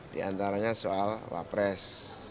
di antaranya soal wapres